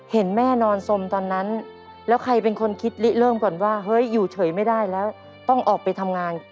เห็นแม่นอนสมตอนนั้นแล้วใครเป็นคนคิดลิเริ่มก่อนว่าเฮ้ยอยู่เฉยไม่ได้แล้วต้องออกไปทำงาน